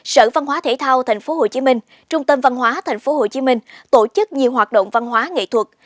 sở văn hóa thể thao tp hcm trung tâm văn hóa tp hcm tổ chức nhiều hoạt động văn hóa nghệ thuật